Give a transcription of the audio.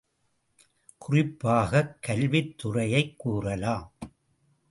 குறிப்பாகக் கல்வித் துறையைக் கூறலாம்.